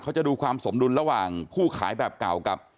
จะดูความสมดุลระหว่างผู้ขายแบบเก่ากับ